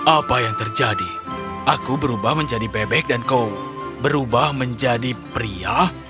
apa yang terjadi aku berubah menjadi bebek dan kau berubah menjadi pria